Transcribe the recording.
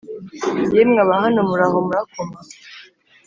Yemwe Abahano Muraho murakoma